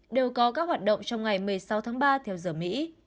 đều có các hoạt động trong ngày một mươi sáu tháng ba theo giờ mỹ